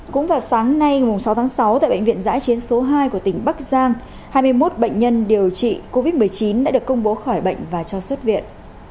cũng vào sáng nay sáu tháng sáu tại bệnh viện giãi chiến số hai của tỉnh bắc giang hai mươi một bệnh nhân điều trị covid một mươi chín đã được công bố khỏi bệnh và cho xuất viện